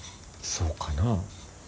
そうかなあ。